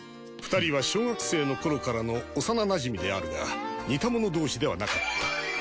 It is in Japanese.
２人は小学生の頃からの幼なじみであるが似た者同士ではなかった。